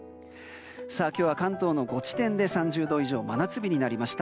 今日は関東の５地点で３０度以上の真夏日となりました。